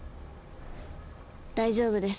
大丈夫です。